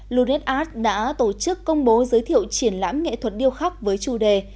luned art đã tổ chức công bố giới thiệu triển lãm nghệ thuật điêu khắc với chủ đề